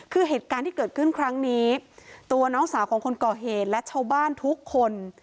คือเหตุการณ์ที่เกิดขึ้นครั้งนี้ตัวน้องสาวของคนก่อเหตุและชาวบ้านทุกคน